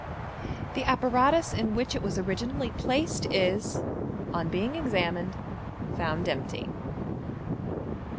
The apparatus in which it was originally placed is, on being examined, found empty.